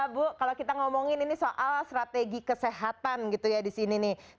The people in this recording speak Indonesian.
bu kalau kita ngomongin ini soal strategi kesehatan gitu ya di sini nih